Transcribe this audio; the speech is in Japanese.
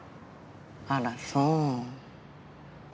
あらそう。